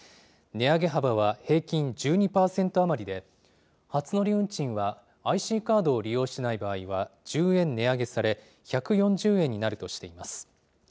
値上げ幅は平均１２％余りで、初乗り運賃はＩＣカードを利用しない場合は１０円値上げされ、１４０円になるとしています。